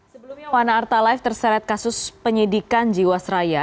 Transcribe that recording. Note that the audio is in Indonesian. sebelumnya wana arta life terseret kasus penyidikan jiwasraya